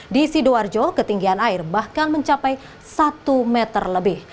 di sidoarjo ketinggian air bahkan mencapai satu meter lebih